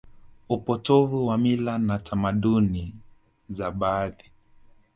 upotovu wa mila na tamaduni za baadhi